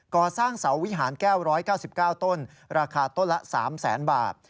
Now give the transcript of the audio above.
ก่อสร้างเสาวิหารแก้ว๑๙๙ต้นราคาต้นละ๓แสนบาท